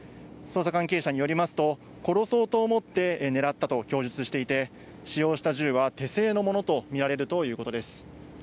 捜査関係者によりますと、殺そうと思って狙ったと供述していて、使用した銃は手製のものと見られるということです。